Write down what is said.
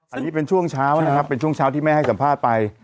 อันนี้เป็นช่วงเช้านะครับเป็นช่วงเช้าที่แม่ให้สัมภาษณ์ไป